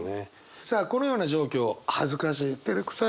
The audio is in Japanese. さあこのような状況恥ずかしいてれくさい。